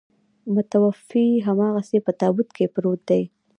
متوفي هماغسې په تابوت کې پروت دی.